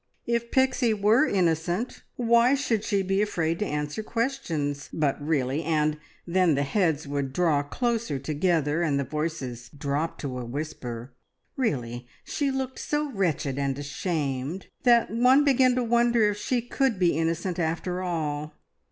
If Pixie were innocent, why should she be afraid to answer questions? But, really and then the heads would draw close together, and the voices drop to a whisper really she looked so wretched and ashamed, that one began to wonder if she could be innocent after all!